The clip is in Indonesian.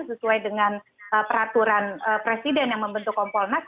sesuai dengan peraturan presiden yang membentuk kompolnas